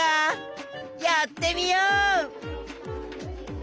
やってみよう！